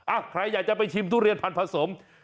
ใครอยากจะไปชิมทุเรียนพันธสม